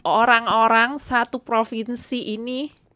orang orang satu provinsi ini